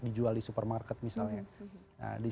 dijual di supermarket misalnya